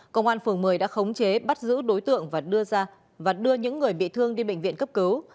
công an phường một mươi đã khống chế bắt giữ đối tượng và đưa những người bị thương đi bệnh viện cấp cứu